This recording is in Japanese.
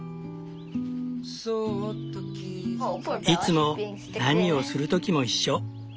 いつも何をする時も一緒。